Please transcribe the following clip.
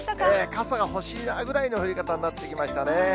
傘が欲しいなぐらいの降り方になってきましたね。